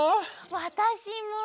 わたしも！